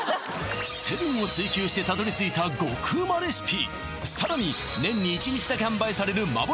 セブンを追求してたどり着いた極ウマレシピ